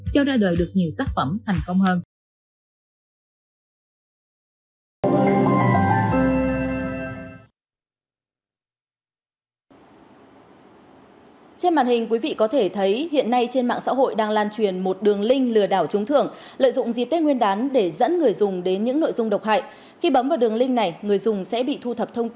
cho ra đời được nhiều tác phẩm thành công hơn